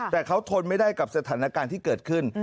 แต่เขาทนไม่ได้กับสถานการณ์ที่เกิดขึ้น